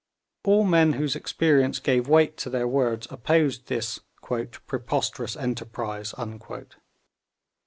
All men whose experience gave weight to their words opposed this 'preposterous enterprise.'